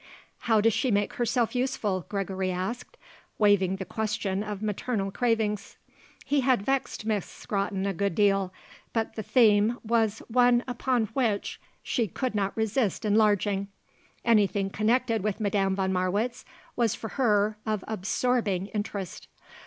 "How does she make herself useful?" Gregory asked, waiving the question of maternal cravings. He had vexed Miss Scrotton a good deal, but the theme was one upon which she could not resist enlarging; anything connected with Madame von Marwitz was for her of absorbing interest.